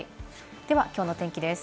ではきょうの天気です。